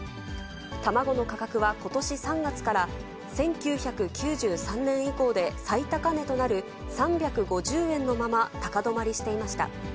卵の価格はことし３月から、１９９３年以降で最高値となる３５０円のまま高止まりしていました。